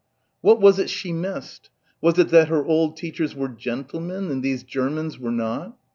What was it she missed? Was it that her old teachers were "gentlemen" and these Germans were not?